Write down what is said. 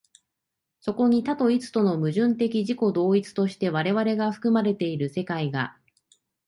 そこに多と一との矛盾的自己同一として我々が含まれている世界が、